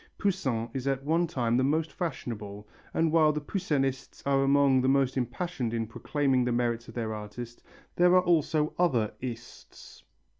Poussin is at one time the most fashionable, and while the Poussinists are among the most impassioned in proclaiming the merits of their artist, there are also other "ists."